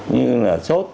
như là sốt